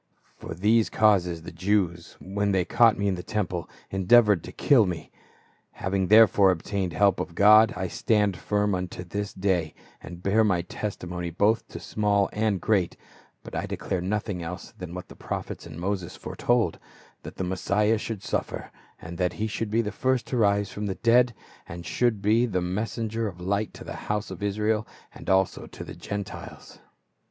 " For these causes the Jews, when they caught mc in the temple, endeavored to kill me. " Having therefore obtained help of God, I stand firm unto this day, and bear my testimony both to small and great ; but I declare nothing else than what the prophets and Moses foretold, that the Mes siah should suffer, and that he should be the first to rise from the dead, and should be the messen "C^SAREM APPELLO!" 425 get of light to the house of Israel, and also to the Gentiles."